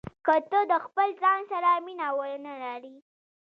که ته د خپل ځان سره مینه ونه لرې.